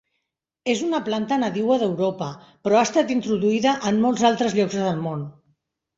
És una planta nadiua d'Europa però ha estat introduïda en molts altres llocs del món.